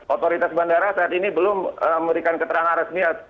otoritas bandara saat ini belum memberikan keterangan resmi